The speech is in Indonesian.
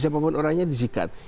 siapapun orangnya disikat